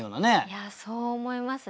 いやそう思いますね。